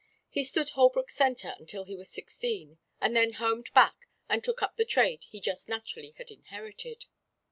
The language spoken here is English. He stood Holbrook Centre until he was sixteen, and then homed back and took up the trade he just naturally had inherited.